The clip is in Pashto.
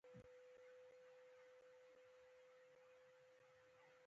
سم تاریخ یې چاته معلوم ندی،